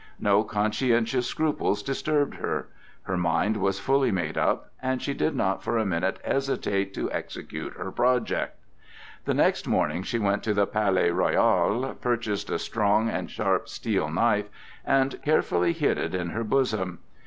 No conscientious scruples disturbed her. Her mind was fully made up, and she did not for a minute hesitate to execute her project. The next morning she went to the Palais Royal, purchased a strong and sharp steel knife, and carefully hid it in her bosom.